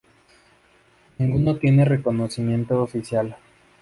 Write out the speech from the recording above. Ninguno tiene reconocimiento oficial.